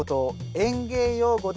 園芸用語で。